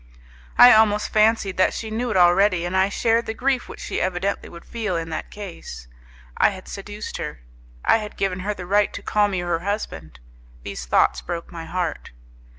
I almost fancied that she knew it already, and I shared the grief which she evidently would feel in that case. I had seduced her. I had given her the right to call me her husband. These thoughts broke my heart.